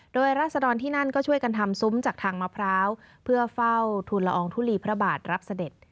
โดยราศดรที่นั่นก็ช่วยกันทำซุ้มจากทางมะพร้าวเพื่อเฝ้าทุนละอองทุลีพระบาทรับเสด็จ